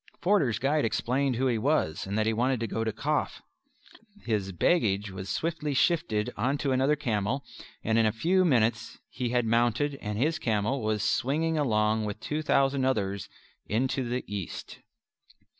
Forder's guide explained who he was and that he wanted to go to Kaf. His baggage was swiftly shifted onto another camel, and in a few minutes he had mounted, and his camel was swinging along with two thousand others into the east.